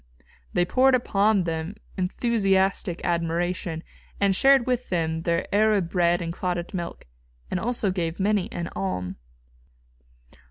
They poured upon them enthusiastic admiration, and shared with them their Arab bread and clotted milk, and also gave many an alm.